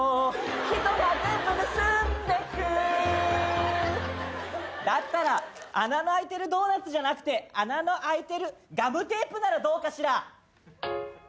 「人が全部盗んでく」だったら穴の開いてるドーナツじゃなくて穴の開いてるガムテープならどうかしら？